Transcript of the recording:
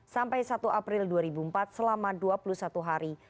sampai satu april dua ribu empat selama dua puluh satu hari